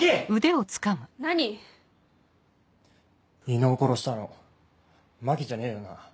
伊能を殺したの真紀じゃねえよな？